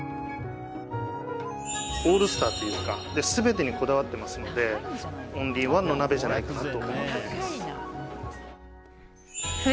オールスターというか全てにこだわっていますのでオンリーワンの鍋じゃないかなと思っています。